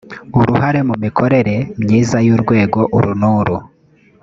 uruhare mu mikorere myiza y’urwego uru nuru